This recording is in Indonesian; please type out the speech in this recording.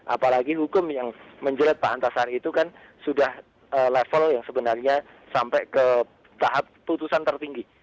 apalagi hukum yang menjelat pak antasari itu kan sudah level yang sebenarnya sampai ke tahap putusan tertinggi